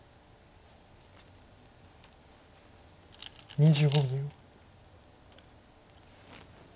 ２５秒。